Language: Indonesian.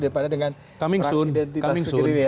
daripada dengan perang identitas